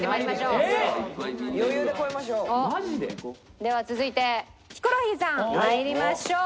では続いてヒコロヒーさんまいりましょう。